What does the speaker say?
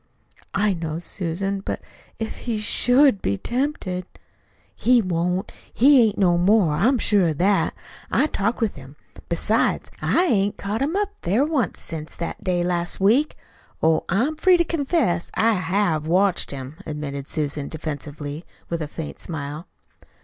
"I know, Susan; but if he SHOULD be tempted " "He won't. He ain't no more. I'm sure of that. I talked with him. Besides, I hain't caught him up there once since that day last week. Oh, I'm free to confess I HAVE watched him," admitted Susan defensively, with a faint smile.